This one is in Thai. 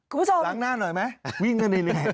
คุณผู้ชมล้างหน้าหน่อยไหมวิ่งได้เลยไง